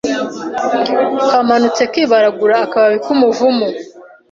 Kamanutse kibaranguraAkababi k'umuvumu